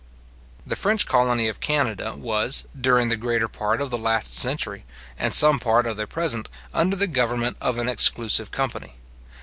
The French colony of Canada was, during the greater part of the last century, and some part of the present, under the government of an exclusive company.